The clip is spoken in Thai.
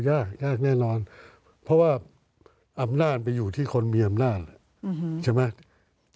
ยากยากแน่นอนเพราะว่าอำนาจไปอยู่ที่คนมีอำนาจใช่ไหม